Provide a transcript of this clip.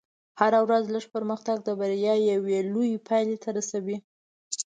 هره ورځ لږ پرمختګ د بریا یوې لوېې پایلې ته رسوي.